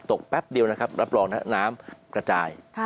แป๊บเดียวนะครับรับรองนะครับน้ำกระจาย